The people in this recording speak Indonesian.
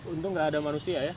untung nggak ada manusia ya